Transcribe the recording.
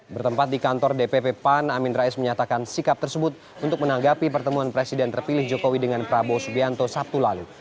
bertempat di kantor dpp pan amin rais menyatakan sikap tersebut untuk menanggapi pertemuan presiden terpilih jokowi dengan prabowo subianto sabtu lalu